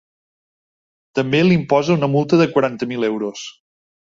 També li imposa una multa de quaranta mil euros.